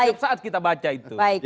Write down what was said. setiap saat kita baca itu